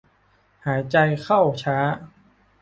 หายใจเข้าช้า